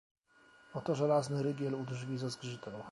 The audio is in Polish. "Oto żelazny rygiel u drzwi zazgrzytał."